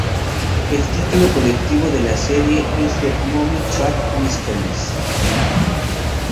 El título colectivo de la serie es "The Mommy-Track Mysteries".